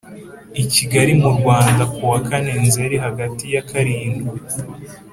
i Kigali mu Rwanda kuwa kane Nzeri hagati ya karindwi